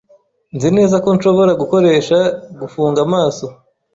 Nzi neza ko nshobora gukoresha gufunga amaso.